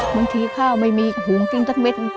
บางทีข้าวไม่มีกระผงกินตั้งเม็ด